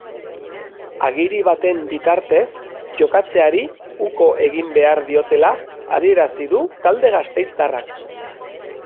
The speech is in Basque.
Agiri baten bitartez jokatzeari uko egin behar diotela adierazi du talde gasteiztarrak.